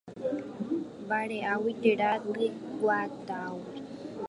Vareʼágui térã tyguatãgui.